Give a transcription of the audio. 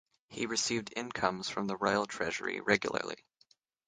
He received incomes from the Royal Treasury regularly.